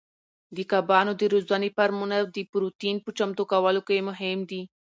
د کبانو د روزنې فارمونه د پروتین په چمتو کولو کې مهم دي.